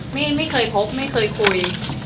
ไม่เคยพบไม่เคยคุย